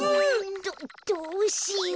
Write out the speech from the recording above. どどうしよう。